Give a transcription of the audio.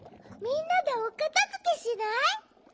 みんなでおかたづけしない？